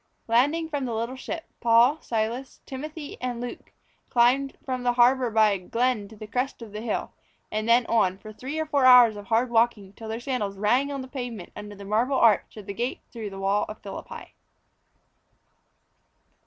Landing from the little ship, Paul, Silas, Timothy and Luke climbed from the harbour by a glen to the crest of the hill, and then on, for three or four hours of hard walking, till their sandals rang on the pavement under the marble arch of the gate through the wall of Philippi.